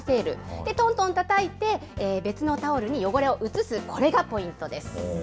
で、とんとんたたいて、別のタオルに汚れを移す、これがポイントです。